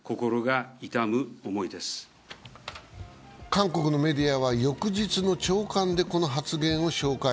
韓国のメディアは翌日の朝刊でこの発言を紹介。